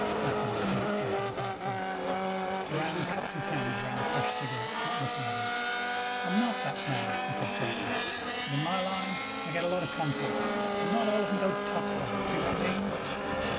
Matheny gaped out of the bathroom. Doran cupped his hands around a fresh cigarette, not looking at him. "I am not that man," he said frankly. "But in my line I get a lot of contacts, and not all of them go topside. See what I mean?